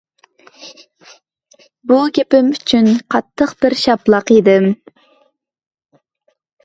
بۇ گېپىم ئۈچۈن قاتتىق بىر شاپىلاق يېدىم.